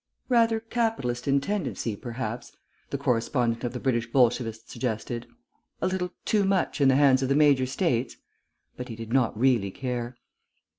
"Rather capitalist in tendency, perhaps?" the correspondent of the British Bolshevist suggested. "A little too much in the hands of the major states?" But he did not really care.